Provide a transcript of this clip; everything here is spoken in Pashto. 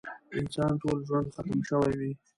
د انسان ټول ژوند ختم شوی وي.